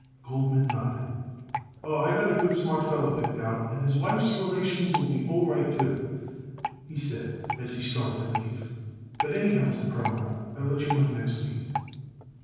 Goldman nodded. "Oh, I got a good, smart feller picked out, and his wife's relations will be all right, too," he said, as he started to leave. "But, anyhow, Mr. Perlmutter, I let you know next week."